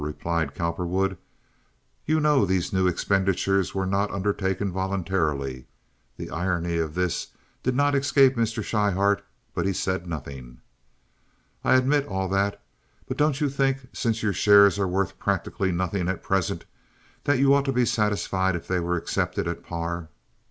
replied Cowperwood. "You know these new expenditures were not undertaken voluntarily." (The irony of this did not escape Mr. Schryhart, but he said nothing.) "I admit all that, but don't you think, since your shares are worth practically nothing at present, that you ought to be satisfied if they were accepted at par?"